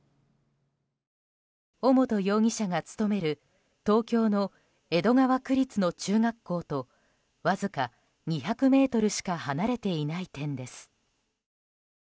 尾本容疑者が勤める東京の江戸川区立の中学校とわずか２００ｍしか離れていない点です。